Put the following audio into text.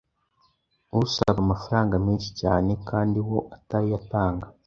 Usaba amafaranga menshi cyane kandi wo utayatanga